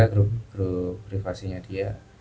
grup privasinya dia